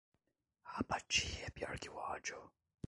A apatia é pior que o ódio